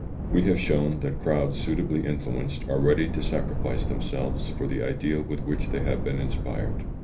We have shown that crowds suitably influenced are ready to sacrifice themselves for the ideal with which they have been inspired.